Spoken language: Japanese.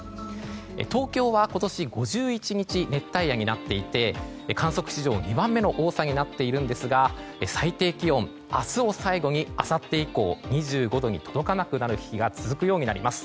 東京は今年５１日熱帯夜になっていて観測史上２番目の多さになっているんですが最低気温明日を最後にあさって以降２５度に届かなくなる日が続くようになります。